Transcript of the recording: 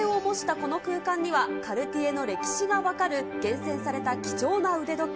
時計を模したこの空間には、カルティエの歴史が分かる厳選された貴重な腕時計